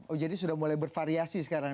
oh jadi sudah mulai bervariasi sekarang